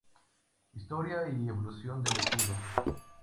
Historia y evolución del escudo